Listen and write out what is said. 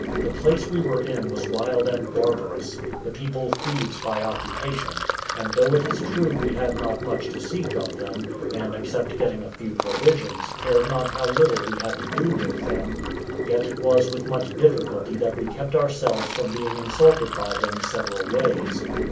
The place we were in was wild and barbarous, the people thieves by occupation; and though it is true we had not much to seek of them, and, except getting a few provisions, cared not how little we had to do with them, yet it was with much difficulty that we kept ourselves from being insulted by them several ways.